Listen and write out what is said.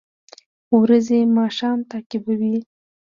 ورځې ماښام تعقیبوي